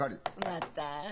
また。